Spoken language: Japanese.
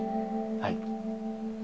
はい。